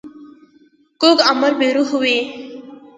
کوږ عمل بې روح وي